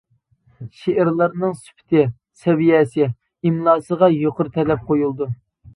شېئىرلارنىڭ سۈپىتى، سەۋىيەسى، ئىملاسىغا يۇقىرى تەلەپ قويۇلىدۇ.